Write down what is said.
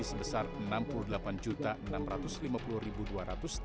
sebesar enam puluh delapan suara